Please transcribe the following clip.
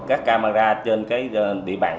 các camera trên địa bàn